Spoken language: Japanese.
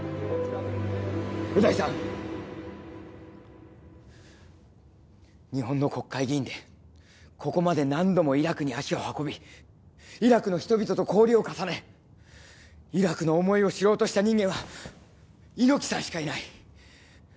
ウダイさん、日本の国会議員でここまで何度もイラクに足を運びイラクの人々と交流を重ね、イラクの思いを知ろうとした人間は猪木さんしかいない！